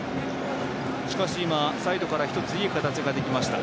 しかし今、サイドから１ついい形ができました。